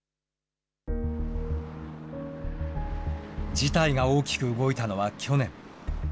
事態が大きく動いたのは去年。